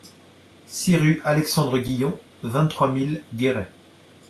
six rue Alexandre Guillon, vingt-trois mille Guéret